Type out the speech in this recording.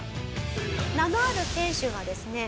名のある選手がですね